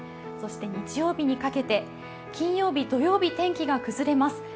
そして日曜日にかけて金曜日、土曜日天気が崩れます。